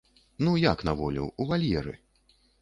Ну як на волю, у вальеры.